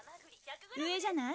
上じゃない？